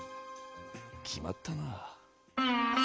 決まったなあ。